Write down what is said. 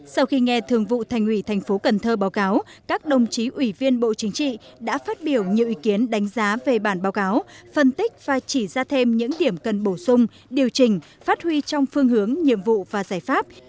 sau khi nghe thường vụ thành ủy thành phố cần thơ báo cáo các đồng chí ủy viên bộ chính trị đã phát biểu nhiều ý kiến đánh giá về bản báo cáo phân tích và chỉ ra thêm những điểm cần bổ sung điều chỉnh phát huy trong phương hướng nhiệm vụ và giải pháp